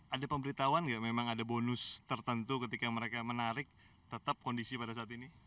ada pemberitahuan nggak memang ada bonus tertentu ketika mereka menarik tetap kondisi pada saat ini